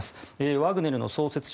ワグネルの創設者